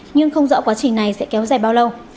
nhưng không rõ quá trình này sẽ kéo dài bao lâu